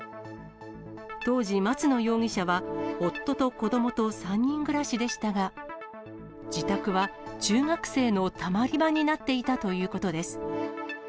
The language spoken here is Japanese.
当時、松野容疑者は夫と子どもと３人暮らしでしたが、自宅は中学生のたまり場になっていたということです。